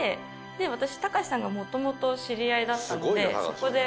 で私たかしさんがもともと知り合いだったのでそこで。